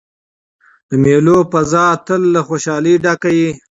د مېلو فضا تل له خوشحالۍ ډکه يي.